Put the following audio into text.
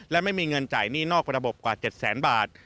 และไม่มีเงินจ่ายหนี้นอกระบบกว่า๗แสนบาท